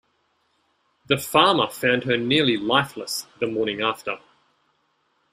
The farmer found her nearly lifeless the morning after.